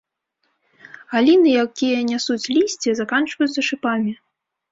Галіны, якія нясуць лісце, заканчваюцца шыпамі.